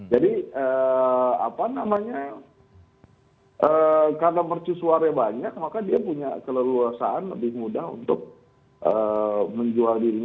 jadi apa namanya karena mercusuarnya banyak maka dia punya keleluasan lebih mudah untuk menjual dirinya